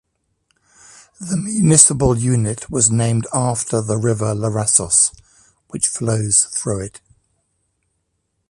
The municipal unit was named after the river Larissos, which flows through it.